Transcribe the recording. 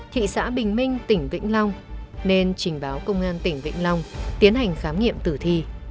thị xã bình minh tỉnh vĩnh long nên trình báo công an tỉnh vĩnh long tiến hành khám nghiệm tử thi